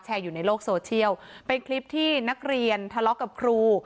อยู่ในโลกโซเชียลเป็นคลิปที่นักเรียนทะเลาะกับครู